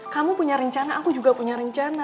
kamu punya rencana aku juga punya rencana